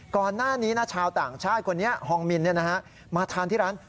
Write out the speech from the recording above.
ก่อนหน้านี้ชาวต่างชาติคนนี้ฮองมินมาทานที่ร้าน